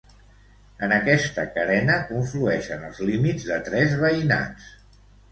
en aquesta carena conflueixen els límits de tres veïnats